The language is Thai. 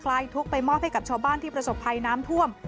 ลายทุกข์ไปมอบให้กับชาวบ้านที่ประสบภัยน้ำท่วม